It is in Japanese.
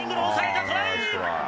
トライ！